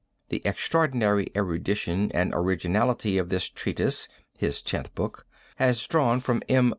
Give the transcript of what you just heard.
... The extraordinary erudition and originality of this treatise (his tenth book) has drawn from M.